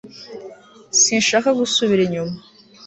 sinshaka gusubira inyuma